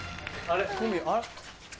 あれ？